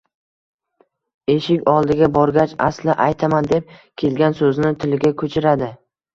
Eshik oldiga borgach, asli aytaman deb kelgan so`zini tiliga ko`chiradi